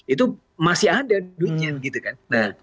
itu masih ada duitnya